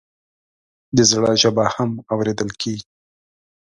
د زړه ژبه هم اورېدل کېږي.